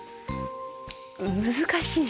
難しい。